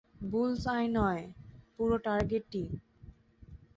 Bull's-eye নয়, পুরো টার্গেটই।